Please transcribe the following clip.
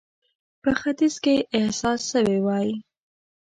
په ختیځ کې احساس سوې وای.